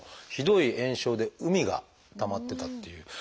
ひどい炎症で膿がたまってたっていう。